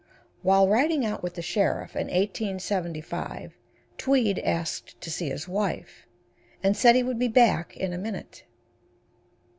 While riding out with the sheriff, in 1875, Tweed asked to see his wife, and said he would be back in a minute.